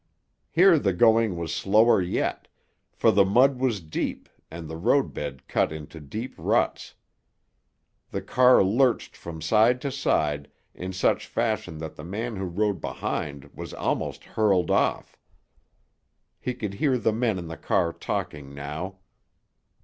Here the going was slower yet, for the mud was deep and the roadbed cut into deep ruts. The car lurched from side to side in such fashion that the man who rode behind was almost hurled off. He could hear the men in the car talking now.